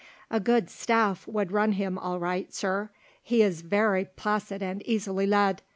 "A good Staff would run him all right, Sir; he is very placid and easily led.